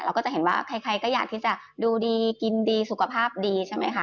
ก็จะเห็นว่าใครก็อยากที่จะดูดีกินดีสุขภาพดีใช่ไหมคะ